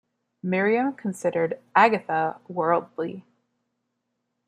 Miriam considered Agatha worldly.